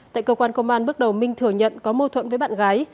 tại cơ quan công an bước đầu minh thừa nhận có mô thuận với bạn gái